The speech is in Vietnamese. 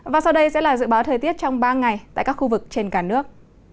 và sau đây sẽ là dự báo thời tiết trong ba ngày tại các khu vực trên cả nước